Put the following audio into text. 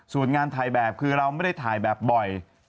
ส่วนงานถ่ายแบบคือเราไม่ได้ถ่ายแบบบ่อย